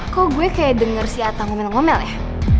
kok gue kayak denger si atang ngomel ngomel ya